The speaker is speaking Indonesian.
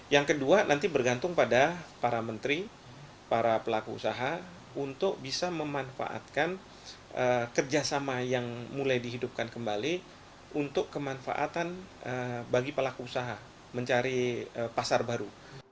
yang kedua nanti bergantung pada para menteri para pelaku usaha untuk bisa memanfaatkan kerjasama yang mulai dihidupkan kembali untuk kemanfaatan bagi pelaku usaha mencari pasar baru